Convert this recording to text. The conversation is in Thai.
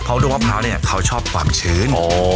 เพราะด้วงมะพร้าวเนี่ยเค้าชอบความชื้น